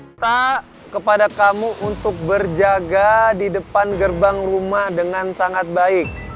minta kepada kamu untuk berjaga di depan gerbang rumah dengan sangat baik